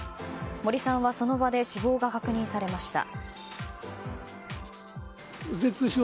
森さんはその場で死亡が確認されました。